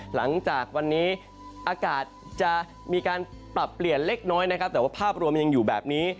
หลังจากวันนี้อากาศจะมีการปรับเปลี่ยนเล็กน้อยนะครับแต่ว่าภาพรวมยังอยู่แบบนี้